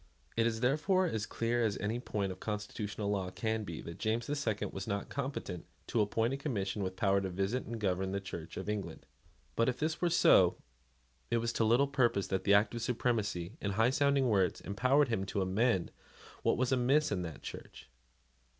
It is therefore as clear as any point of constitutional law can be that James the Second was not competent to appoint a Commission with power to visit and govern the Church of England. But, if this were so, it was to little purpose that the Act of Supremacy, in high sounding words, empowered him to amend what was amiss in that Church.